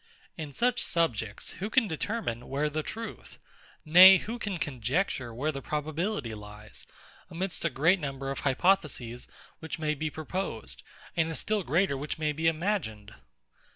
In such subjects, who can determine, where the truth; nay, who can conjecture where the probability lies, amidst a great number of hypotheses which may be proposed, and a still greater which may be imagined?